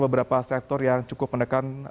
beberapa sektor yang cukup menekan